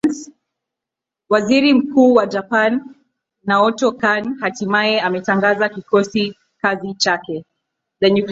waziri mkuu wa japan naoto kan hatimaye ametangaza kikosi kazi chake